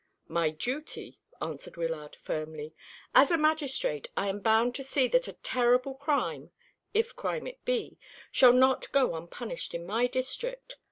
"My duty," answered Wyllard firmly. "As a magistrate I am bound to see that a terrible crime if crime it be shall not go unpunished in my district.